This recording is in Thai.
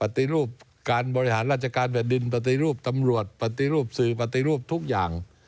ปฏิรูปการบริหารราชการแผ่นดินปฏิรูปตำรวจปฏิรูปสื่อปฏิรูปทุกอย่าง